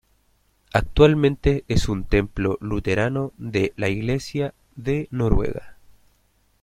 Actualmente es un templo luterano de la Iglesia de Noruega.